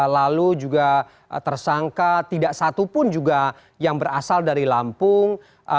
lalu juga tersangka tidak satu pun juga yang berasal dari lampung